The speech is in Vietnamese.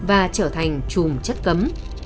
và trở thành chùm chất cấm